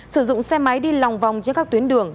sử dụng xe máy đi lòng vòng trên các tuyến đường